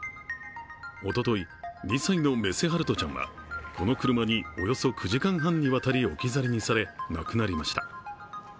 おととい、２歳の目瀬陽翔ちゃんはこの車におよそ９時間半にわたり置き去りにされ、亡くなりました。